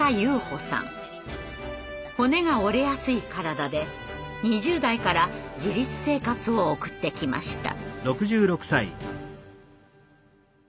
骨が折れやすい体で２０代から自立生活を送ってきました。